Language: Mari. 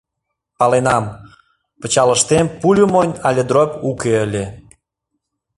Паленам: пычалыштем пульо монь але дробь уке ыле.